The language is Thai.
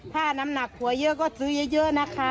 ถ้าน้ำหนักหัวเยอะก็ซื้อเยอะนะคะ